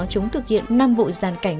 chúng thực hiện năm vụ giàn cảnh